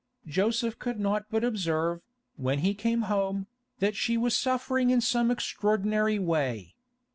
Joseph could not but observe, when he came home, that she was suffering in some extraordinary way.